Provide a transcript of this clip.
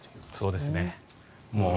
そうですね。